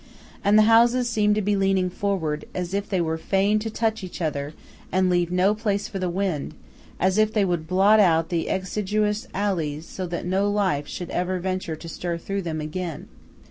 And the houses seemed to be leaning forward, as if they were fain to touch each other and leave no place for the wind, as if they would blot out the exiguous alleys so that no life should ever venture to stir through them again.